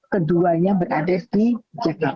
keduanya berada di jakarta